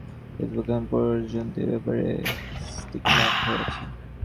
Facebook এখন পর্যন্ত এ ব্যাপারে স্পিক্টি নট হয়ে আছে।